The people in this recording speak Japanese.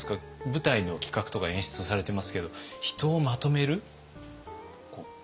舞台の企画とか演出をされてますけど人をまとめる苦労とか難しさ。